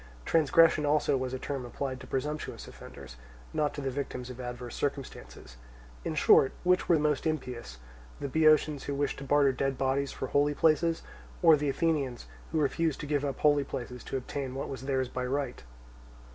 Transgression also was a term applied to presumptuous offenders, not to the victims of adverse circumstances. In short, which were most impious—the Boeotians who wished to barter dead bodies for holy places, or the Athenians who refused to give up holy places to obtain what was theirs by right?